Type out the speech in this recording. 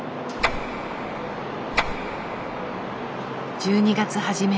１２月初め